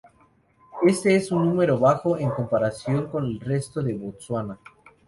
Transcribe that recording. Este es un número bajo en comparación con el resto de Botsuana.